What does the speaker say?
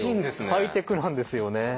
ハイテクなんですよね。